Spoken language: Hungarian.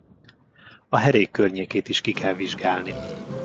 A herék környékét is ki kell vizsgálni.